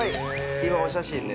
今お写真で。